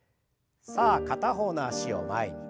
さあ片方の脚を前に。